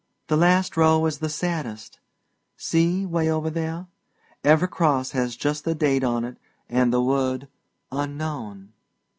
"The last row is the saddest see, 'way over there. Every cross has just a date on it and the word 'Unknown.'"